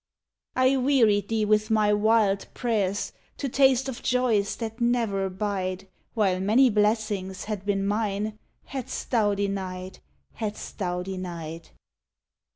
I wearied Thee with my wild prayers To taste of joys that ne'er abide. While many blessings had been mine Hadst Thou denied! Hadst Thou denied!